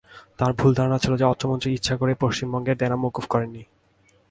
তাঁর ভুল ধারণা ছিল যে অর্থমন্ত্রী ইচ্ছা করেই পশ্চিমবঙ্গের দেনা মওকুফ করেননি।